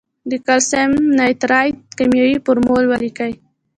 د کلسیم نایتریت کیمیاوي فورمول ولیکئ.